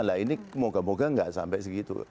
nah ini moga moga nggak sampai segitu